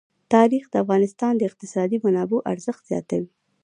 تاریخ د افغانستان د اقتصادي منابعو ارزښت زیاتوي.